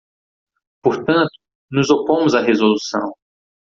Portanto, nos opomos à resolução.